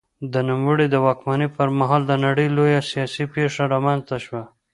د نوموړي د واکمنۍ پر مهال د نړۍ لویه سیاسي پېښه رامنځته شوه.